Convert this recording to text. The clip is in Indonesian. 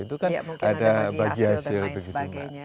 mungkin ada bagi hasil dan lain sebagainya